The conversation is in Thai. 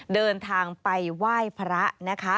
เดินทางไปไหว้พระนะคะ